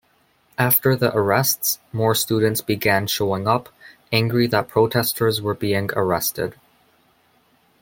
After the arrests, more students began showing up, angry that protesters were being arrested.